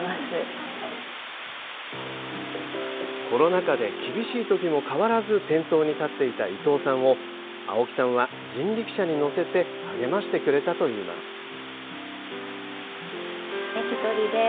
コロナ禍で厳しいときも変わらず店頭に立っていた伊藤さんを青木さんは、人力車に乗せて励ましてくれたといいます。